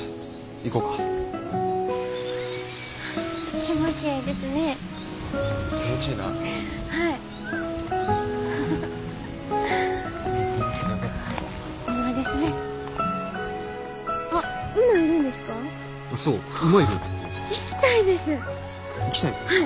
行きたい？